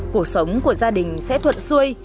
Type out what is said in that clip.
cuộc sống của gia đình sẽ thuận xuôi